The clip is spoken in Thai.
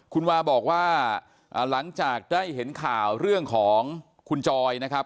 คุณวาบอกว่าหลังจากได้เห็นข่าวเรื่องของคุณจอยนะครับ